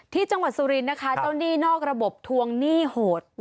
ที่จังหวัดสุรินทร์นะคะเจ้าหนี้นอกระบบทวงหนี้โหด